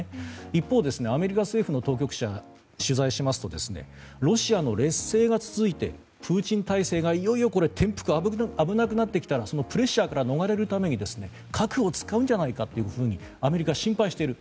一方、アメリカ政府の当局者を取材しますとロシアの劣勢が続いてプーチン体制がいよいよ転覆が危なくなってきたらそのプレッシャーから逃れるために核を使うんじゃないかとアメリカは心配している。